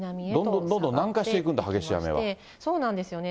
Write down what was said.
どんどんどんどん南下していくんだ、そうなんですよね。